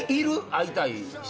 会いたい人。